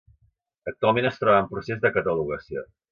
Actualment es troba en procés de catalogació.